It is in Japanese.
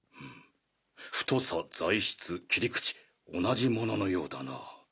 太さ材質切り口同じ物のようだな。